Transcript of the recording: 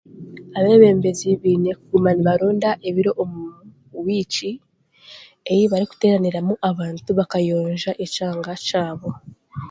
Abebembezi beine kuguma nibaronda ebiro omu week eyi barikuteraniramu abantu b'akayoonja ekyanga kyabo.